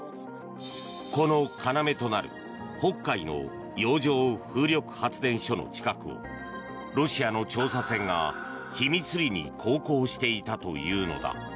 この要となる北海の洋上風力発電所の近くをロシアの調査船が秘密裏に航行していたというのだ。